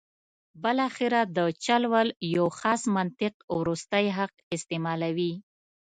بالاخره د چل ول یو خاص منطق وروستی حق استعمالوي.